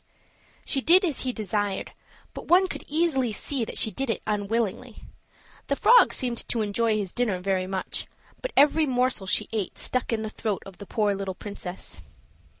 She did as he desired, but one could easily see that she did it unwillingly. The frog seemed to enjoy his dinner very much, but every morsel she ate stuck in the throat of the poor little princess.